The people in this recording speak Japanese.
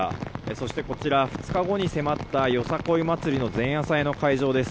そして、こちら２日後に迫ったよさこい祭りの前夜祭の会場です。